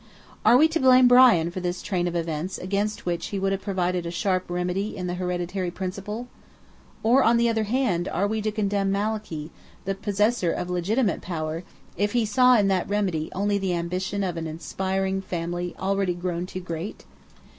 Are we to blame Brian for this train of events against which he would have provided a sharp remedy in the hereditary principle? Or, on the other hand, are we to condemn Malachy, the possessor of legitimate power, if he saw in that remedy only the ambition of an aspiring family already grown too great?